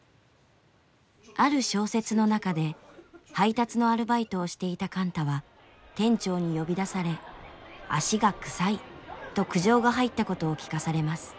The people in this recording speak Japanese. ある小説の中で配達のアルバイトをしていた貫多は店長に呼び出され「足が臭い」と苦情が入ったことを聞かされます。